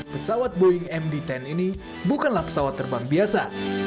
pesawat boeing md sepuluh ini bukanlah pesawat terbang biasa